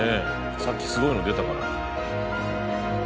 さっきすごいの出たから。